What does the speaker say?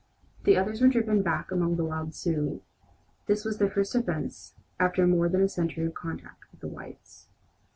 The others were driven back among the wild Sioux. This was their first offence, after more than a century of contact with the whites.